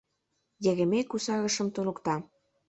— Еремей кусарышым туныкта.